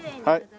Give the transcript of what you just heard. はい。